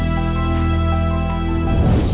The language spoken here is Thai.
สวัสดีครับ